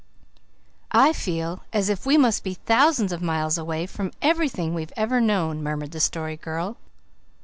"I feel as if we must be thousands of miles away from everything we've ever known," murmured the Story Girl.